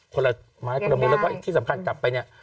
คนละไม้คนละมือแล้วก็อีกที่สำคัญกลับไปเนี่ย